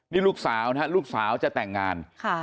นี่ลูกสาวนะฮะลูกสาวจะแต่งงาน